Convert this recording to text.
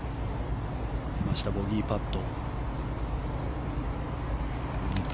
山下、ボギーパット。